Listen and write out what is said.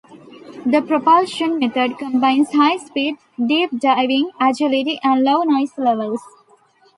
The propulsion method combines high speed, deep diving, agility and low noise levels.